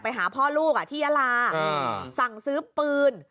ไปหาพ่อลูกที่ยาลาสั่งซื้อปืน